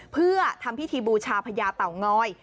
เพื่อทำพิธีบูชาพญาเต่างอย